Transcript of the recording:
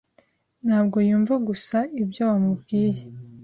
ntabwo yumva gusa ibyo wamubwiye